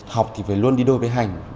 học thì phải luôn đi đôi với hai